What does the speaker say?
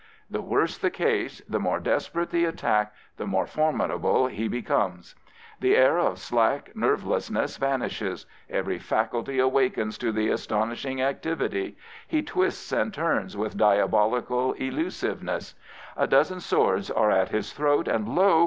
The worse the case, the more desperate the attack, the more formidable he be comes. The air of slack nervelessness vanishes. Every faculty awakes to astonishing activity. He twists and turns with diabolical elusiveness, A dozen swords are at his throat, and lo!